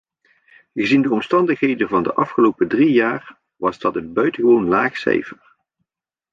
Gezien de omstandigheden van de afgelopen drie jaar was dat een buitengewoon laag cijfer.